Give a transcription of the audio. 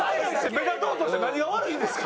目立とうとして何が悪いんですか。